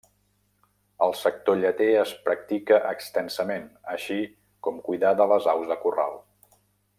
El sector lleter es practica extensament, així com cuidar de les aus de corral.